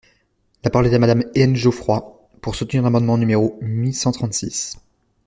La parole est à Madame Hélène Geoffroy, pour soutenir l’amendement numéro mille cent trente-six.